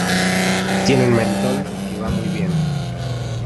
tienen mentol que va muy bien.